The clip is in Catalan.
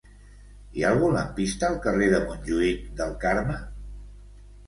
Hi ha algun lampista al carrer de Montjuïc del Carme?